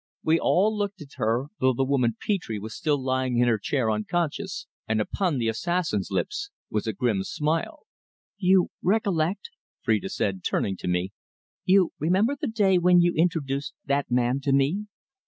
We all looked at her, though the woman Petre was still lying in her chair unconscious, and upon the assassin's lips was a grim smile. "You recollect," Phrida said, turning to me, "you remember the day when you introduced that man to me.